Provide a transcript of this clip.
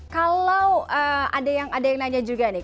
kalau ada yang nanya juga nih